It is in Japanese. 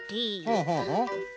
ほうほうほう。